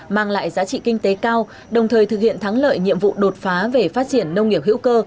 mang lại giá trị kinh tế cao đồng thời thực hiện thắng lợi nhiệm vụ đột phá về phát triển nông nghiệp hữu cơ